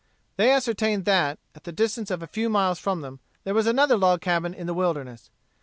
They ascertained that, at the distance of a few miles from them, there was another log cabin in the wilderness.